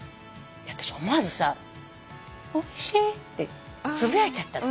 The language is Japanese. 私思わずさおいしってつぶやいちゃったの。